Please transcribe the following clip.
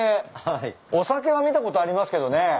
お酒は見たことありますけどね。